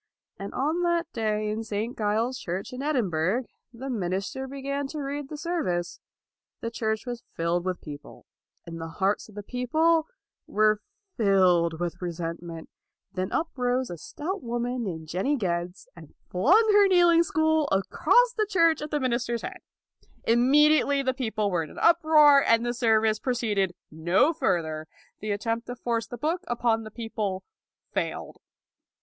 And on that day in St. Giles's Church in Edinburgh, the minister began to read the service. The church was filled with people, and the hearts of the people were filled with resentment. Then up rose a stout woman named Jenny Geddes, and flung her kneel ing stool across the church at the min ister's head. Immediately the people were in an uproar and the service proceeded no further. The attempt to force the book upon the people failed.